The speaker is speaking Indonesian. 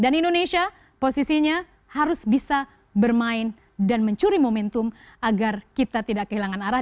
dan indonesia posisinya harus bisa bermain dan mencuri momentum agar kita tidak kehilangan arah